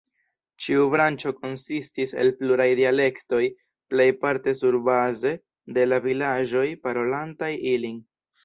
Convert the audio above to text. Ĉiu branĉo konsistis el pluraj dialektoj, plejparte surbaze de la vilaĝoj parolantaj ilin.